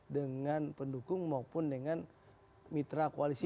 dengan pendukung maupun dengan mitra koalisi